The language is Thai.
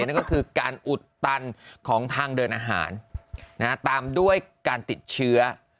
นั่นก็คือการอุดตันของทางเดินอาหารตามด้วยการติดเชื้อ